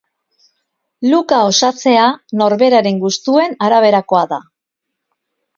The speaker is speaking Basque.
Look-a osatzea norberaren gustuen araberakoa da.